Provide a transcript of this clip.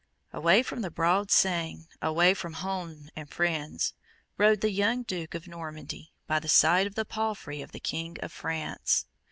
away from the broad Seine away from home and friends, rode the young Duke of Normandy, by the side of the palfrey of the King of France.